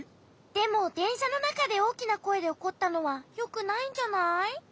でもでんしゃのなかでおおきなこえでおこったのはよくないんじゃない？